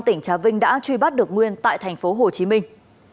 tỉnh trà vinh đã truy bắt được nguyên tại thành phố hồ chí minh